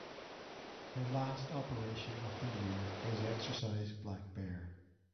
Her last operation of the year was Exercise Black Bear.